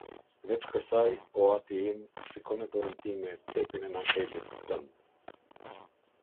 Veç kësaj, o ati im, shiko në dorën time cepin e mantelit tënd.